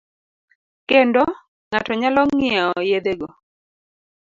Kendo. ng'ato nyalo ng'iewo yedhego